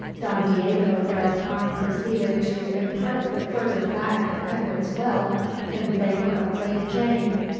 Don Diego thereupon proceeded to impart the further fact of Edward's will in favour of Lady Jane.